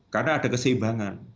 karena ada keseimbangan